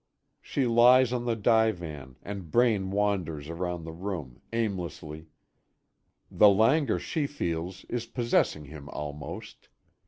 She lies on the divan, and Braine wanders around the room, aimlessly. The languor she feels is possessing him almost.